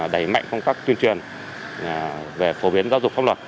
đẩy mạnh công tác tuyên truyền về phổ biến giáo dục phóng đọc